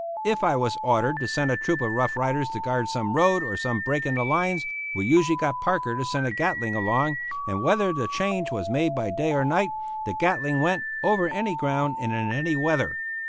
If I was ordered to send a troop of Rough Riders to guard some road or some break in the lines, we usually got Parker to send a Gatling along, and whether the change was made by day or by night, the Gatling went, over any ground and in any weather.